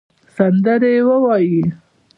سندرې ووایې